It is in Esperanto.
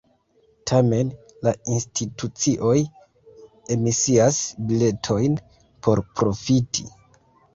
Tamen, la institucioj emisias biletojn por profiti.